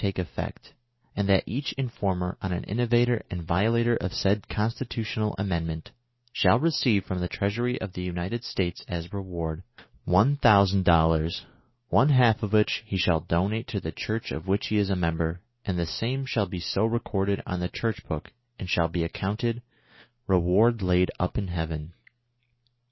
311 take effect, and that each informer on an innovator and violator of said Constitutional Amendment shall receive from the treasury of the United States as reward one thousand dollars, one half of which he shall donate to the church of which he is a member, and the same shall be so recorded on the church book, and shall be accounted, ' Re ward laid up in heaven.''